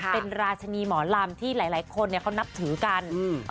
เป็นราชินีหมอลำที่หลายคนเขานับถือกัน